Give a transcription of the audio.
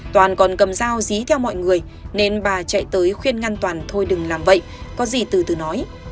toàn còn cầm dao dí theo mọi người nên bà chạy tới khuyên ngăn toàn thôi đừng làm vậy có gì từ từ nói